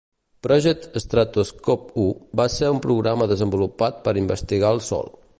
Project Stratoscope I va ser un programa desenvolupat per investigar el Sol.